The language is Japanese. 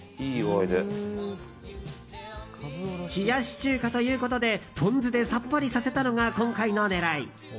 冷やし中華ということでポン酢でさっぱりさせたのが今回の狙い。